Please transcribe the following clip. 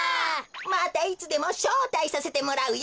またいつでもしょうたいさせてもらうよ。